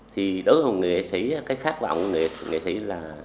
thì đối với người nghệ sĩ cái khát vọng của người nghệ sĩ là